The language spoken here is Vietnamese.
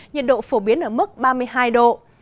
nhiệt độ phổ biến ở mức ba mươi hai độ